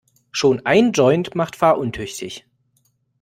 Schon ein Joint macht fahruntüchtig.